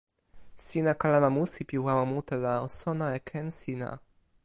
sina kalama musi pi wawa mute la o sona e ken sina!